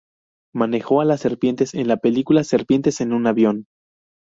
Manejó a las serpientes en la película "Serpientes en un avión".